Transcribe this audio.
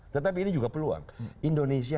tetapi ini juga peluang indonesia